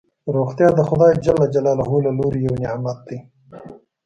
روغتیا دخدای ج له لوری یو نعمت دی